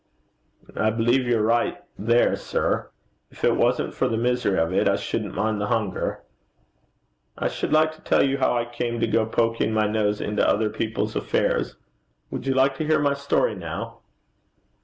'I believe you're right there, sir. If it wasn't for the misery of it, I shouldn't mind the hunger.' 'I should like to tell you how I came to go poking my nose into other people's affairs. Would you like to hear my story now?'